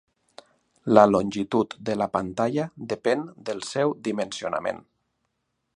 La longitud de la pantalla depèn del seu dimensionament.